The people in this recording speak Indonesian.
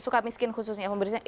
suka miskin khususnya pembersihannya